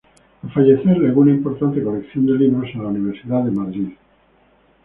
Al fallecer legó una importante colección de libros a la Universidad de Madrid.